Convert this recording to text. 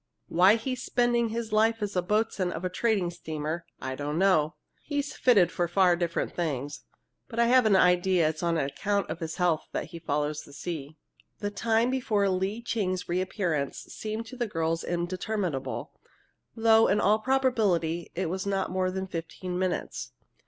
Why he's spending his life as boatswain of a trading steamer I don't know. He's fitted for far different things. But I have an idea it's on account of his health that he follows the sea." The time before Lee Ching's reappearance seemed to the girls interminable, though, in all probability, it was not more than fifteen minutes.